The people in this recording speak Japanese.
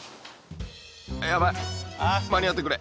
やばい間に合ってくれ。